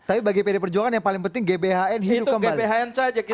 tapi bagi pd perjuangan yang paling penting gbhn hidup kembali